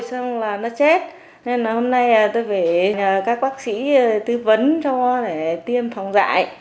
xong là nó chết nên hôm nay tôi phải các bác sĩ tư vấn cho để tiêm phòng dại